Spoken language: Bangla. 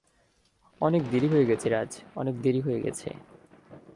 অনেক দেরী হয়ে গেছে রাজ, অনেক দেরি হয়ে গেছে।